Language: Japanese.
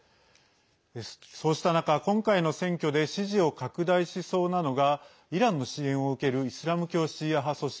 そうした中、今回の選挙で支持を拡大しそうなのがイランの支援を受けるイスラム教シーア派組織